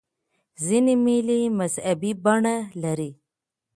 ځیني مېلې مذهبي بڼه لري.